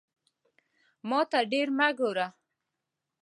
ماته ډیر مه ګوره